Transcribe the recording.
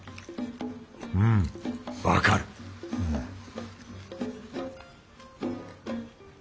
うんわかるうん